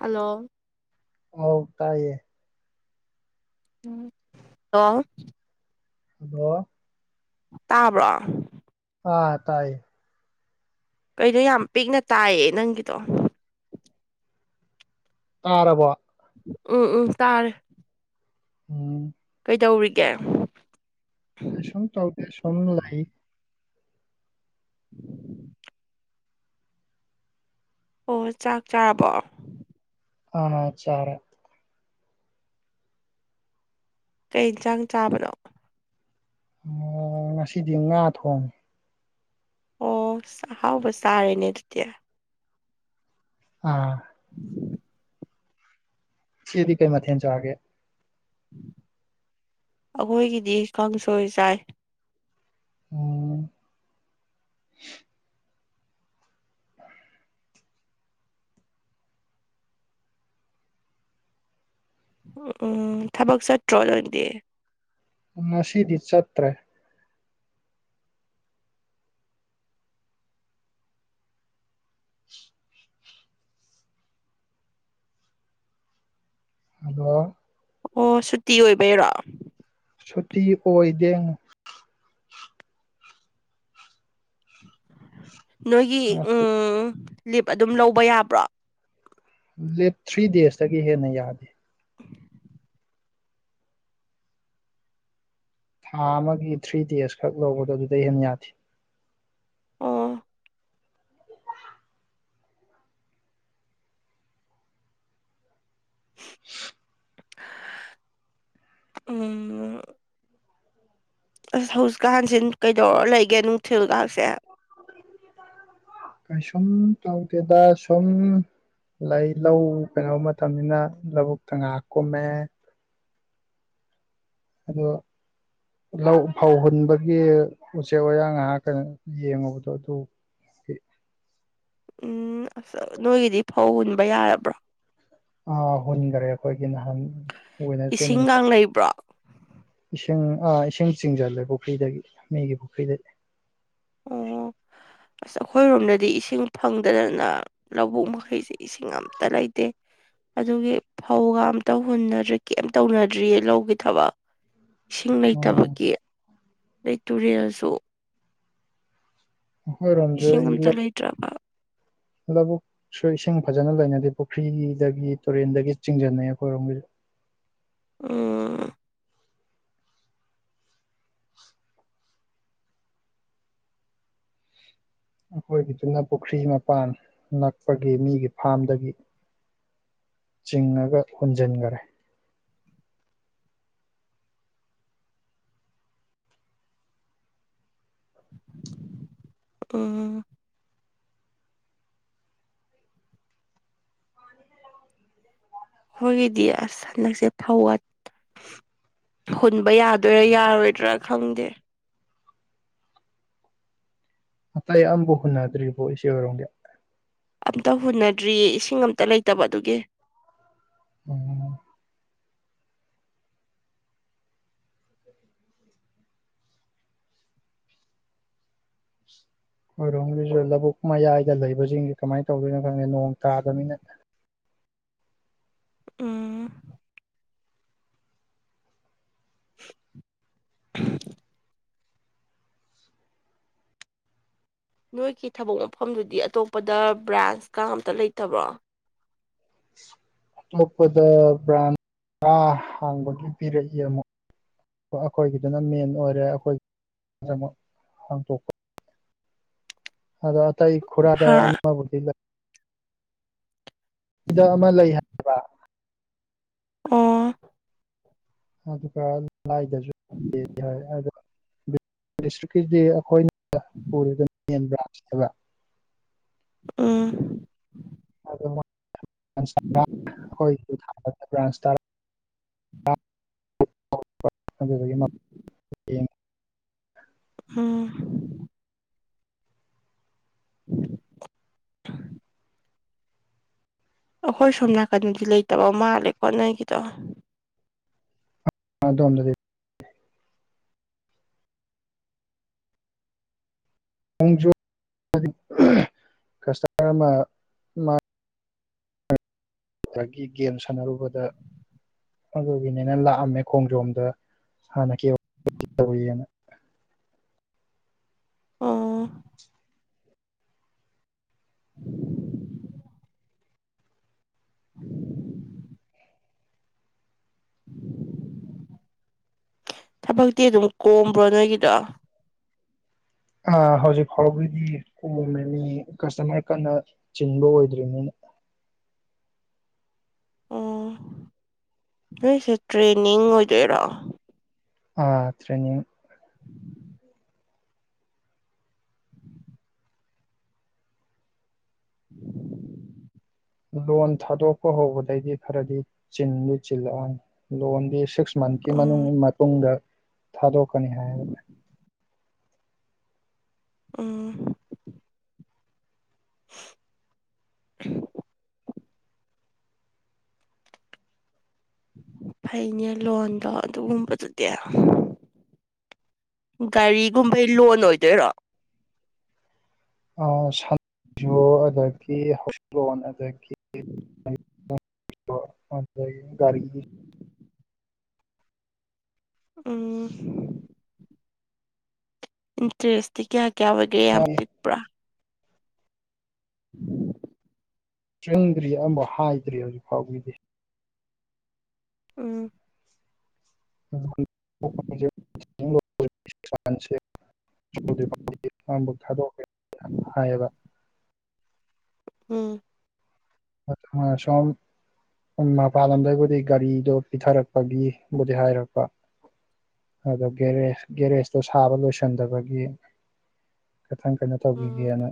hello ꯑꯣ ꯇꯥꯏꯌꯦ ꯝ ꯑ ꯑꯗꯣ ꯇꯥꯕ꯭ꯔꯣ ꯑꯥ ꯇꯥꯏ ꯀꯩꯅꯣ ꯌꯥꯝ ꯄꯤꯛꯅ ꯇꯥꯏꯌꯦ ꯅꯪꯒꯤꯗꯣ ꯇꯥꯔꯕꯣ ꯎꯝ ꯎꯝ ꯇꯥꯔꯦ ꯎꯝ ꯀꯩꯗꯧꯔꯤꯒꯦ ꯀꯁꯨꯡ ꯆꯥꯎ ꯀ ꯁ ꯂꯩꯥꯏ [inaudible] ꯑꯣ ꯆꯥꯛ ꯆꯥꯔꯕ ꯑꯅ ꯆꯔꯦ ꯀꯩ ꯌꯦꯟꯁꯥꯡ ꯆꯥꯕꯅꯣ ꯑꯣ ꯉꯁꯤꯗꯤ ꯉꯥ ꯊꯣꯡꯉ ꯑꯣꯥꯛꯍꯥꯎꯕ ꯆꯥꯔꯦꯅꯦ ꯑꯗꯨꯗꯤ ꯑ ꯁꯤꯗꯤ ꯀꯩ ꯃꯊ ꯆꯑꯒꯦ ꯑꯩꯈꯣꯏꯒꯤꯗꯤ ꯀꯥꯡꯁꯣꯏ ꯆꯥꯏ ꯑꯣ ꯎꯝ ꯊꯕꯛ ꯆꯠꯇꯔꯣ ꯅꯥꯪꯗꯤ ꯉꯥꯁꯤꯗꯤ ꯆꯠꯇ꯭ꯔꯦ ꯍꯜꯂꯣ ꯑꯣ ꯁꯨꯇꯤ ꯑꯣꯏꯕꯩꯔꯣ ꯁꯨꯇꯤ ꯑꯣꯏꯗꯦ ꯅꯣꯏꯒꯤ ꯉꯁꯤ ꯎꯝ ꯂꯤꯞ ꯑꯗꯨꯝ ꯂꯧꯕ ꯌꯥꯕ꯭ꯔꯣ ꯂꯤꯞ ꯊ꯭ꯔꯤ ꯗꯦꯖꯇꯒꯤ ꯍꯦꯟꯅ ꯌꯥꯗꯦ ꯊꯥ ꯑꯃꯒꯤ ꯊ꯭ꯔꯤ ꯗꯦꯖ ꯈꯛ ꯂꯧꯕꯗꯣ ꯑꯗꯨꯗꯩ ꯍꯦꯟꯅ ꯌꯥꯗꯦ ꯑꯣ ꯎꯝ ꯑꯁ ꯍꯧꯖꯤꯛ ꯀꯥꯟꯁꯦ ꯀꯩꯗꯧꯔ ꯂꯩꯒꯦ ꯅꯨꯡꯊꯤꯜ ꯂꯥꯛꯁꯦ ꯁꯨꯝ ꯇꯥꯎꯇꯦꯗ ꯁꯨꯝ ꯂꯩ ꯂꯧ ꯀꯩꯩꯅꯣ ꯃꯇꯝꯅꯤꯅ ꯂꯧꯕꯨꯛꯇ ꯉꯥꯏꯍꯥꯛ ꯀꯨꯝꯃꯦ ꯑꯗꯣ ꯂꯧ ꯐꯧ ꯍꯨꯟꯕꯒꯤ ꯎꯆꯦꯛ ꯋꯥꯌꯥ ꯉꯥꯏꯍꯥꯛꯇꯪ ꯌꯦꯡꯉꯨꯕꯗꯣ ꯑꯗꯨ [inaudible] ꯎꯝ ꯑꯁ ꯅꯣꯏꯒꯤꯗꯤ ꯐꯧ ꯍꯨꯟꯕ ꯌꯥꯔꯕ꯭ꯔꯣ ꯑ ꯍꯨꯟꯈꯔꯦ ꯑꯩꯈꯣꯏꯒꯤ ꯅꯍꯥꯟ ꯋꯦꯅꯦꯁꯗꯦ ꯏꯁꯤꯡꯒ ꯅꯨꯃꯤꯠꯇ ꯂꯩꯕ꯭ꯔꯣ ꯏꯁꯤꯡ ꯏꯁꯤꯡ ꯆꯤꯡꯁꯤꯜꯂꯦ ꯄꯨꯈ꯭ꯔꯤꯗꯒꯤ ꯃꯤꯒꯤ ꯄꯨꯈ꯭ꯔꯤꯗꯗꯤ ꯑꯣ ꯑꯁ ꯑꯩꯈꯣꯏꯔꯣꯝꯗꯗꯤ ꯏꯁꯤꯡ ꯐꯪꯗꯗꯅ ꯂꯧꯕꯨꯛ ꯃꯈꯩꯁꯦ ꯏꯁꯤꯡ ꯑꯝꯇ ꯂꯩꯇꯦ ꯑꯗꯨꯒꯤ ꯐꯧꯒ ꯑꯝꯇ ꯍꯨꯟꯅꯗ꯭ꯔꯤ ꯀꯩꯝ ꯇꯧꯅꯗ꯭ꯔꯤꯌꯦ ꯂꯧꯒꯤ ꯊꯕꯛ ꯏꯁꯤꯡ ꯑꯣ ꯂꯩꯇꯕꯒꯤ ꯗꯩ ꯇꯨꯔꯦꯜꯁꯨ ꯑꯩꯈꯣꯏꯔꯣꯝꯁꯨ ꯏꯁꯤꯡ ꯑꯝꯇ ꯍꯤꯔꯨꯞ ꯂꯩꯇ꯭ꯔꯕ ꯂꯕꯨꯛꯁꯨ ꯏꯁꯤꯡ ꯐꯖꯅ ꯂꯩꯅꯗꯦ ꯄꯨꯈ꯭ꯔꯤꯗꯒꯤ ꯇꯨꯔꯦꯟꯗꯒꯤ ꯆꯤꯡꯁꯤꯟꯅꯩ ꯑꯩꯈꯣꯏꯔꯣꯝꯒꯤꯗꯤ ꯑꯝꯝ ꯑꯩꯈꯣꯏꯒꯤꯗꯨꯅ ꯄꯨꯈ꯭ꯔꯤ ꯃꯄꯥꯟ ꯅꯛꯄꯒꯤ ꯃꯤꯒꯤ ꯐꯥꯝꯗꯒꯤ ꯆꯤꯡꯉꯒ ꯍꯨꯟꯖꯤꯟꯈꯔꯦ ꯎꯝ ꯑꯩꯈꯣꯏꯒꯤꯗꯤ ꯑꯁ ꯍꯟꯗꯛꯁꯦ ꯐꯧꯋꯥꯠ ꯍꯨꯟꯕ ꯌꯥꯗꯣꯏꯔꯥ ꯌꯥꯔꯣꯏꯗ꯭ꯔꯥ ꯈꯪꯗꯦ ꯑꯇꯩ ꯑꯝꯕꯧ ꯍꯨꯟꯅꯗꯔ꯭ꯤꯕꯣ ꯏꯆꯦ ꯍꯣꯏ ꯔꯣꯝꯒꯤ ꯑꯝꯇ ꯍꯨꯟꯅꯗ꯭ꯔꯤꯌꯦ ꯏꯁꯤꯡ ꯑꯝꯇ ꯂꯩꯇꯕ ꯑꯗꯨꯒꯤ ꯎꯝ ꯈꯣꯏꯔꯣꯝꯒꯤꯁꯨ ꯂꯧꯕꯨꯛ ꯃꯌꯥꯏꯗ ꯂꯩꯕꯁꯤꯡꯁꯦ ꯀꯃꯥꯏꯅ ꯇꯧꯗꯣꯏꯅꯣ ꯈꯪꯗꯦ ꯅꯣꯡ ꯇꯥꯗꯝꯅꯤꯅ [inaudible] ꯎꯝ [unintelligible] ꯅꯣꯏꯒꯤ ꯊꯕꯛ ꯃꯐꯝꯗꯨꯗꯤ ꯑꯇꯣꯞꯄꯗ ꯕ꯭ꯔꯥꯟꯁꯀ ꯑꯝꯇ ꯂꯩꯇꯕ꯭ꯔꯣ ꯑꯇꯣꯞꯄꯗ ꯕ꯭ꯔꯥꯟ ꯇꯔ ꯍꯥꯡꯕꯒꯤ ꯄꯤꯔꯛꯏ ꯑꯃꯨꯛ ꯑꯩꯈꯣꯏꯒꯤꯗꯨꯅ ꯃꯦꯟ ꯑꯣꯏꯔꯦ ꯑꯩꯈꯣꯏꯒꯤꯗꯃꯛ ꯍꯥꯡꯇꯣꯛꯄ ꯑꯗꯣ ꯑꯇꯩ ꯈꯣꯔꯥꯗ ꯍꯥ ꯑꯃꯕꯨꯗꯤ ꯂꯩ ꯁꯤꯗ ꯑꯃ ꯂꯩ ꯍꯥꯏꯕ ꯑꯣ ꯑꯗꯨꯒ ꯂꯥꯏꯗꯁꯨ ꯂꯩꯌꯦꯗꯤ ꯍꯥꯏ ꯑꯗꯣ ꯗꯤꯁꯇ꯭ꯔꯤꯛꯀꯤꯗꯤ ꯑꯩꯈꯣꯏꯅ ꯄꯨꯔꯒ ꯃꯦꯟ ꯕ꯭ꯔꯥꯟꯁ ꯍꯥꯏꯕ ꯎꯝ [unintelligible] [unintelligible] ꯎꯝ [inaudible] ꯑꯩꯈꯣꯏ ꯁꯣꯝ ꯅꯥꯀꯟꯗꯤ ꯂꯩꯇꯕ ꯃꯥꯜꯂꯦ ꯈꯣꯠꯅꯒꯤꯗꯣ ꯗꯣꯝꯗꯗꯤ ꯃꯣꯡꯖꯨ ꯀꯁꯇꯃꯔ ꯑꯃ ꯒꯤ ꯒꯦꯝ ꯁꯥꯟꯅꯔꯨꯕꯗ ꯑꯗꯨꯒꯤꯅꯤꯅ ꯂꯥꯛꯑꯝꯃꯦ ꯈꯣꯡꯖꯣꯝꯗ ꯍꯥꯟꯅ ꯀ ꯇꯧꯋꯅ [inaudible] ꯑ ꯊꯕꯛꯇꯤ ꯑꯗꯨꯝ ꯀꯣꯝꯕ꯭ꯔꯣ ꯅꯣꯏꯒꯤꯗ ꯑ ꯍꯧꯖꯤꯛ ꯐꯥꯎꯕꯗꯤ ꯀꯣꯝꯃꯦꯅꯤ ꯀꯁꯇꯃꯔ ꯀꯟꯅ ꯆꯤꯟꯕ ꯑꯣꯏꯗ꯭ꯔꯤꯕꯅꯤꯅ [inaudible] ꯑꯣ ꯅꯣꯏꯁꯦ ꯇ꯭ꯔꯦꯟꯅꯤꯡ ꯑꯣꯏꯗꯣꯏꯔꯥ ꯑꯥ ꯇ꯭ꯔꯦꯅꯤꯡ ꯎꯝ ꯂꯣꯟ ꯊꯥꯗꯣꯛꯄ ꯍꯧꯕꯗꯩꯗꯤ ꯈꯔꯗꯤ ꯆꯤꯟꯗꯤ ꯆꯤꯜꯂꯛꯑꯅꯤ ꯂꯣꯟꯗꯤ ꯁꯤꯛꯁ ꯃꯟꯊꯀꯤ ꯎꯝ ꯃꯇꯨꯡꯗ ꯊꯥꯗꯣꯛꯀꯅꯤ ꯍꯥꯏ ꯑꯣ ꯍ ꯐꯩꯅꯦ ꯂꯣꯟꯗꯣ ꯑꯗꯨꯒꯨꯝꯕꯗꯨꯗꯤ ꯒꯥꯔꯤꯒꯨꯝꯕꯩ ꯂꯣꯟ ꯑꯣꯏꯗꯣꯏꯔꯣ ꯑꯗꯒꯤ ꯍꯧꯛꯂꯣꯟ ꯑꯗꯒꯤ ꯎꯝ ꯔꯒꯤ ꯎꯝ ꯏꯟꯇꯔꯦꯁꯇꯤ ꯀꯌꯥ ꯀꯌꯥ ꯑꯣꯏꯒꯦ ꯌꯥꯝ ꯄꯤꯛꯄ꯭ꯔꯥ ꯎꯝ ꯆꯪꯗ꯭ꯔꯤ ꯑꯃꯕꯨ ꯍꯥꯏꯗ꯭ꯔꯤ ꯍꯧꯖꯤꯛ ꯐꯥꯎꯒꯤꯗꯤ ꯎꯝ [inaudible] ꯕꯨ ꯊꯥꯗꯣꯛ ꯍꯥꯏꯕ ꯎꯝ ꯁꯝ ꯃꯄꯥꯟ ꯂꯝꯗꯒꯤꯕꯨꯗꯤ ꯒꯥꯔꯤꯗꯣ ꯄꯤꯊꯔꯛꯄꯒꯤꯕꯨꯗꯤ ꯍꯥꯏꯔꯛꯄ ꯑ ꯦꯦꯖ ꯒꯦꯔꯦꯖꯇꯣ ꯁꯥꯕ ꯂꯣꯏꯁꯤꯟꯗꯕꯒꯤ ꯈꯤꯊꯪ ꯀꯩꯅꯣ ꯎꯝ ꯇꯧꯕꯤꯒꯦꯅ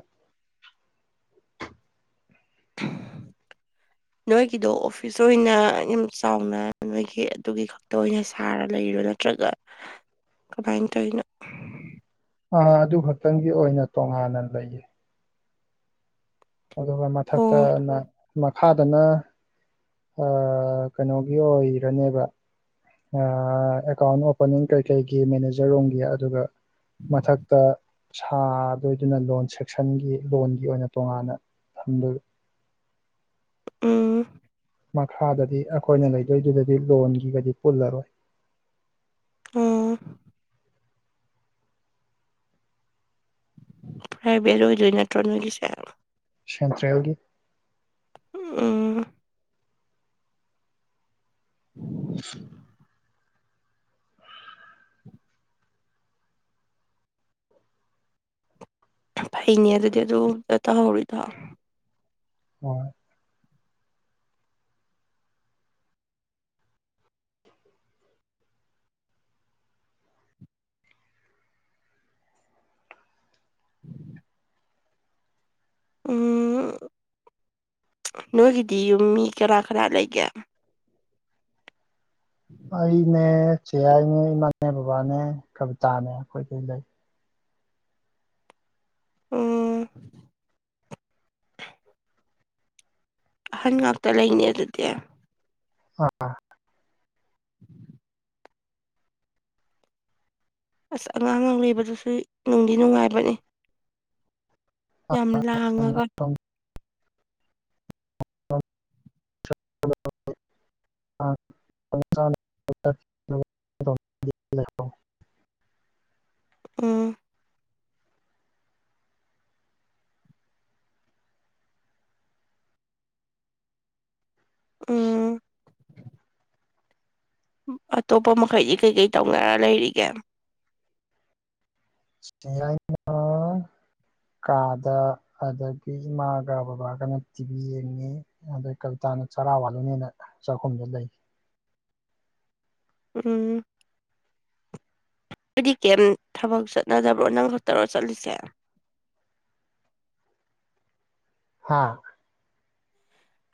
[inaudible] ꯅꯣꯏꯒꯤꯗꯣ ꯑꯣꯐꯤꯁ ꯑꯣꯏꯅ ꯌꯥꯝ ꯆꯥꯎꯅ ꯅꯣꯏꯒꯤ ꯑꯗꯨꯒꯤ ꯈꯛꯇ ꯑꯣꯏꯅ ꯁꯥꯔ ꯂꯩꯔꯨ ꯅ ꯅꯠꯇ꯭ꯔꯒ ꯀꯃꯥꯏꯅ ꯇꯧꯅꯣ ꯑꯥ ꯑꯗꯨ ꯈꯛꯇꯪꯒꯤ ꯑꯣꯏꯅ ꯇꯣꯉꯥꯟꯅ ꯂꯩꯌꯦ ꯑꯗꯨꯒ ꯑꯣ ꯃꯊꯛꯇ ꯃꯈꯥꯗꯅ ꯑ ꯀꯩꯅꯣꯒꯤ ꯑꯣꯏꯔꯅꯦꯕ ꯑꯦꯀꯥꯎꯟ ꯑꯣꯄꯅꯤꯡ ꯀꯩ ꯀꯩꯒꯤ ꯃꯦꯅꯦꯖꯔ ꯔꯣꯝꯒꯤ ꯑꯗꯨꯒ ꯃꯊꯛꯇ ꯁꯥꯗꯣꯏꯗꯨꯅ ꯂꯣꯟ ꯁꯦꯛꯁꯟꯒꯤ ꯂꯣꯟꯒꯤ ꯑꯣꯏꯅ ꯇꯣꯉꯥꯟꯅ ꯊꯟꯗꯔ ꯎꯝ ꯃꯈꯥꯗꯗꯤ ꯑꯩꯈꯣꯏꯅ ꯂꯩꯗꯣꯏꯗꯨꯗꯗꯤ ꯂꯣꯟꯒꯤꯒꯗꯤ ꯄꯨꯜꯂꯔꯣꯏ ꯑꯣꯥ ꯄ꯭ꯔꯥꯏ ꯕꯦꯜꯠ ꯑꯣꯏꯗꯣꯏ ꯅꯠꯇ꯭ꯔꯣ ꯅꯣꯏꯒꯤꯁꯦ ꯁꯦꯟꯇ꯭ꯔꯦꯜꯒꯤ ꯎꯝ ꯎꯝ ꯐꯩꯅꯦ ꯑꯗꯨꯗꯤ ꯑꯗꯨ ꯒꯨꯝꯕ ꯇꯧꯍꯧꯔꯤꯗꯣ ꯍꯣꯏ ꯎꯝ ꯅꯣꯏꯒꯤꯗꯤ ꯌꯨꯝ ꯃꯤ ꯀꯅ ꯀꯥꯅꯥ ꯂꯩꯒꯦ ꯑꯩꯅꯦ ꯆꯦ ꯌꯥꯏ ꯅꯦ ꯏꯃꯥꯅꯦ ꯕꯕꯥꯅꯦ ꯀꯕꯤꯇꯥꯅꯦ ꯑꯩꯈꯣꯏ ꯀꯩ ꯂꯩ ꯎꯝ ꯑꯍꯟ ꯉꯥꯛꯇ ꯂꯩꯅꯦ ꯑꯗꯨꯗꯤ ꯑ ꯎꯝ ꯑꯁ ꯑꯉꯥꯡ ꯂꯩꯕꯗꯨꯁꯨ ꯅꯨꯡꯗꯤ ꯅꯨꯡꯉꯥꯏꯕꯅꯦ ꯌꯥꯝ ꯂꯥꯡꯉꯒ [unintelligible] [inaudible] ꯎꯝ ꯎꯝ ꯑꯇꯣꯞꯄ ꯃꯈꯩꯗꯤ ꯀꯩꯀꯩ ꯇꯧꯅꯔ ꯂꯩꯔꯤꯒꯦ ꯆꯦ ꯌꯥꯏ ꯅꯥ [inaudible] ꯀꯥꯗ ꯑꯗꯒꯤ ꯏꯃꯥꯒ ꯕꯕꯥꯒꯅ ꯇꯤꯚꯤ ꯌꯦꯡꯉꯤ ꯑꯗꯩ ꯀꯕꯤꯇꯥꯅ ꯆꯔꯥ ꯋꯥꯠꯂꯨꯅꯤꯅ ꯆꯥꯛꯈꯨꯝꯗ ꯂꯩ [inaudible] ꯎꯝ ꯑꯩꯗꯤ ꯀꯦꯝ ꯊꯕꯛ ꯆꯠꯅꯗꯕ꯭ꯔꯣ ꯅꯪ ꯈꯛꯇꯔꯣ ꯆꯠꯂꯤꯁꯦ [inaudible] ꯍꯥꯥ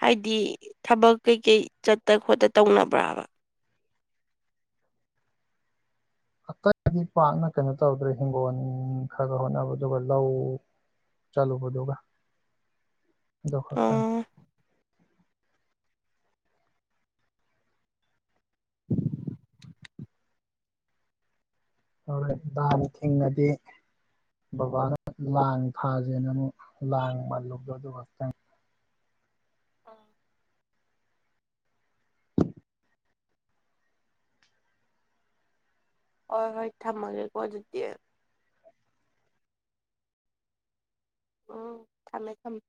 ꯍꯥꯏꯗꯤ ꯊꯕꯛ ꯀꯩꯀꯩ ꯆꯠꯇ ꯈꯣꯠꯇ ꯇꯧꯅꯕ꯭ꯔꯥꯕ [unintelligible] ꯑꯇꯩꯗꯤ ꯄꯥꯛꯅ ꯀꯩꯅꯣ ꯇꯧꯗ꯭ꯔꯦ ꯍꯤꯡꯒꯣꯜ ꯈꯔꯒ ꯍꯣꯠꯅꯕ ꯑꯗꯨꯒ ꯂꯧ ꯆꯠꯂꯨꯕꯗꯨꯒꯥ [inaudible] ꯑꯗꯨ ꯈꯛꯇꯪ ꯑꯣ [inaudible] ꯍꯣꯏ ꯂꯥꯡ ꯊꯤꯡꯉꯗꯤ ꯕꯕꯥꯅ ꯂꯥꯡ ꯊꯥꯁꯦꯅ ꯑꯃꯨꯛ ꯂꯥꯡ ꯃꯥꯜꯂꯨ ꯗ ꯑꯗꯨꯁꯇ ꯑꯥ ꯍꯣꯤ ꯍꯣꯏ ꯊꯝꯃꯒꯦ ꯀꯣ ꯑꯗꯨꯗꯤ ꯎꯝ ꯊꯝꯃꯦ ꯊꯝꯃꯦ